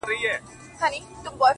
• هره ورځ په دروازه کي اردلیان وه,